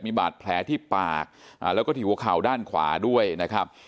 มีบาดแผลที่ปากแล้วก็ที่หัวเข่าด้านขวาด้วยนะครับ